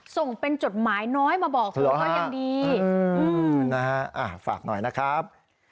ส่งเป็นจดหมายน้อยมาบอกเลยก็ยังดีนะฮะฝากหน่อยนะครับ